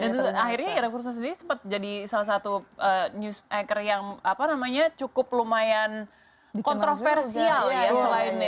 dan akhirnya ira kusno sendiri sempat jadi salah satu news anchor yang cukup lumayan kontroversial